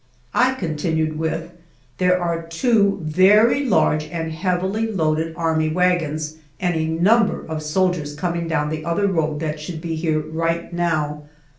I continued with, "There are two very large and heavily loaded army wagons, and a number of soldiers coming down the other road that should be here right now."